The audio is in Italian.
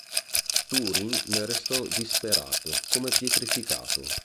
Túrin ne restò disperato, come pietrificato.